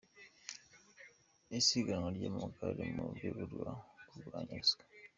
Isiganwa ry’amagare mu rwego rwo kurwanya ruswa